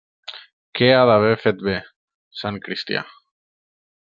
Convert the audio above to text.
-Què ha d'haver fet bé, sant cristià!